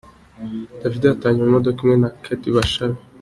Davido yatahanye mu imodoka imwe na Kate Bashabe.